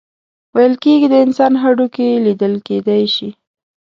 ویل کیږي د انسان هډوکي لیدل کیدی شي.